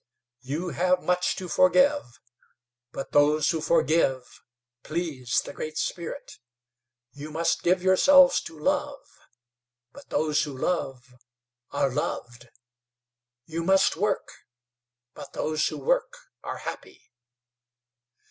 You have much to forgive, but those who forgive please the Great Spirit; you must give yourselves to love, but those who love are loved; you must work, but those who work are happy.